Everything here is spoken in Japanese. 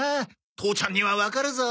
父ちゃんにはわかるぞ。